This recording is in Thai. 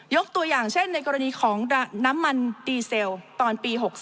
ตัวอย่างเช่นในกรณีของน้ำมันดีเซลตอนปี๖๒